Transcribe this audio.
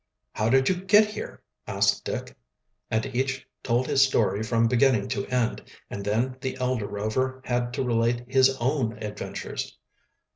"How did you get here?" asked Dick, and each told his story from beginning to end, and then the elder Rover had to relate his own adventures.